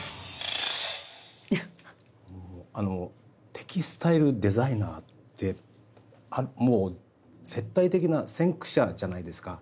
あのテキスタイルデザイナーってもう絶対的な先駆者じゃないですか。